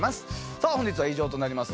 さあ本日は以上となります